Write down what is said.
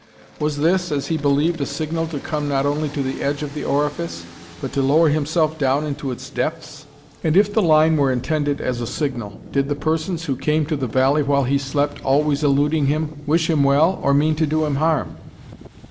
Was this, as he believed, a signal to come not only to the edge of the orifice, but to lower himself down into its depths? And if the line were intended as a signal, did the persons who came to the valley while he slept, always eluding him, wish him well or mean to do him harm?